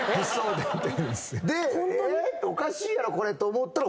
でおかしいやろこれと思ったら。